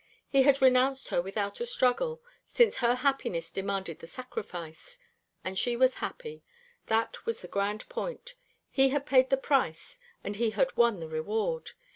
He had renounced her without a struggle, since her happiness demanded the sacrifice. And she was happy. That was the grand point. He had paid the price, and he had won the reward.